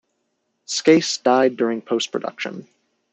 Skase died during post production.